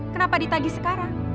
kenapa ditagi sekarang